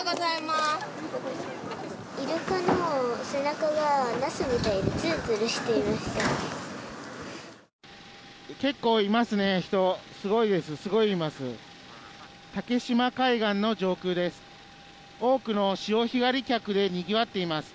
すごいいます。